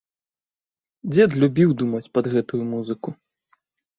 Дзед любіў думаць пад гэту музыку.